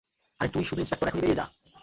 আরে, তুই শুধু ইন্সপেক্টর, এখনি বেরিয়ে যা।